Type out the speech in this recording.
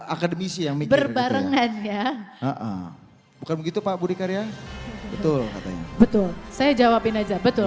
akademisi yang berbarengan ya bukan begitu pak budi karya betul katanya betul saya jawabin aja betul